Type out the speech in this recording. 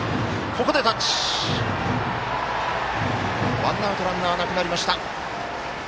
ワンアウトランナーなくなりました。